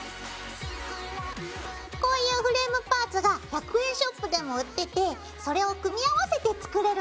こういうフレームパーツが１００円ショップでも売っててそれを組み合わせて作れるんだよ。